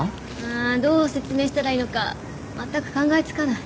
あどう説明したらいいのかまったく考え付かない。